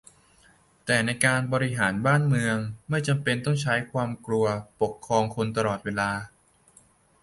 แต่ในการบริหารบ้านเมืองไม่จำเป็นใช้ความกลัวปกครองคนตลอดเวลา